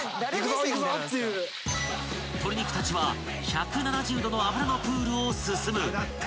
［鶏肉たちは１７０℃の油のプールを進む］